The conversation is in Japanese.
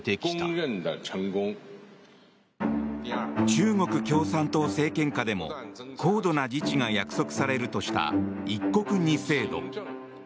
中国共産党政権下でも高度な自治が約束されるとした一国二制度。